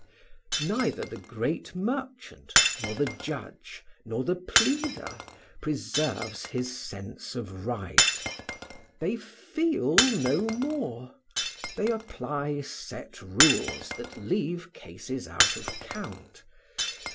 Neither the great merchant, nor the judge, nor the pleader preserves his sense of right; they feel no more, they apply set rules that leave cases out of count.